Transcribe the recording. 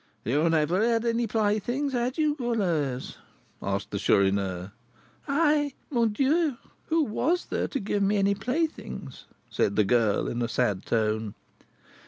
"You had never had any playthings, had you, Goualeuse?" asked the Chourineur. "I? Mon Dieu! who was there to give me any playthings?" said the girl, in a sad tone.